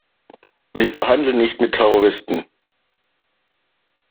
Wir verhandeln nicht mit Terroristen.